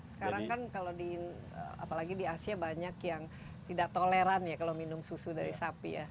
sekarang kan kalau di apalagi di asia banyak yang tidak toleran ya kalau minum susu dari sapi ya